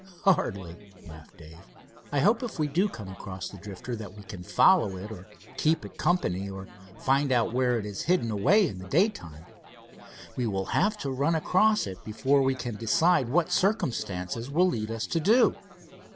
"Hardly," laughed Dave. "I hope if we do come across the Drifter, that we can follow it or keep it company, or find out where it is hidden away in the daytime. We will have to run across it before we can decide what circumstances will lead us to do."